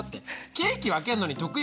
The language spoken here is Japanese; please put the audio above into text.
ケーキ分けるのに得意